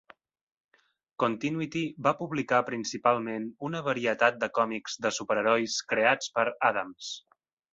Continuity va publicar principalment una varietat de còmics de superherois creats per Adams.